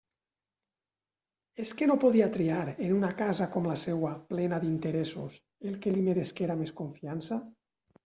És que no podia triar, en una casa com la seua, plena d'«interessos», el que li meresquera més confiança?